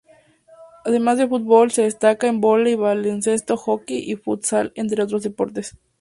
Además de fútbol se destaca en vóley, baloncesto, hockey y futsal, entre otros deportes.